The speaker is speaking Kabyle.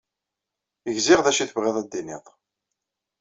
Gziɣ d acu tebɣiḍ ad d-tiniḍ.